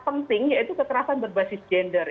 penting yaitu kekerasan berbasis gender